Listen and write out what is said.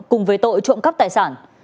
cùng với tội trộm cắp tài sản